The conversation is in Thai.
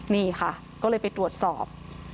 นี่ค่ะก็เลยไปตรวจสอบ